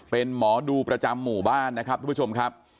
เป็นหมอดูประจำหมู่บ้านนะครับทุกผู้ชมครับ